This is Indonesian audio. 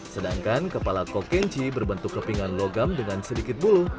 sedangkan kepala koknci berbentuk kepingan logam dengan sedikit bulu